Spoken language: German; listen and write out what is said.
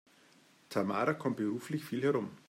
Tamara kommt beruflich viel herum.